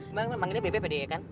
emang memang ini bebek ya kan